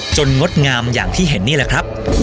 งดงามอย่างที่เห็นนี่แหละครับ